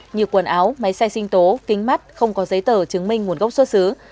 như quần áo máy xe sinh tố kính mắt không có giấy tờ chứng minh nguồn gốc xuất xứ